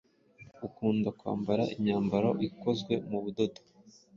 ukunda kwambara imyambaro ikozwe mu budodo.